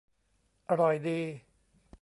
: อร่อยดี